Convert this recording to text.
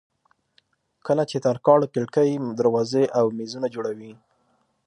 کله چې ترکاڼ کړکۍ دروازې او مېزونه جوړوي.